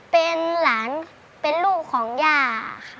เป็นหลานเป็นลูกของย่าค่ะ